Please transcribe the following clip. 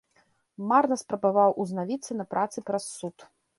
Марна спрабаваў узнавіцца на працы праз суд.